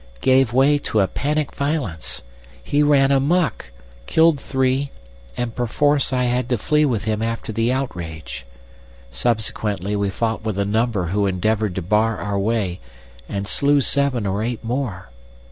—"gave way to a panic violence. He ran amuck, killed three, and perforce I had to flee with him after the outrage. Subsequently we fought with a number who endeavoured to bar our way, and slew seven or eight more.